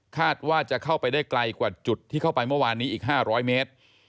ว่าจะเข้าไปได้ไกลกว่าจุดที่เข้าไปเมื่อวานนี้อีก๕๐๐เมตร